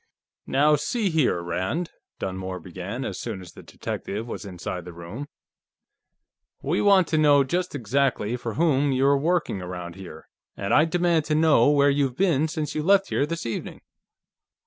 "Now, see here, Rand," Dunmore began, as soon as the detective was inside the room, "we want to know just exactly for whom you're working, around here. And I demand to know where you've been since you left here this evening."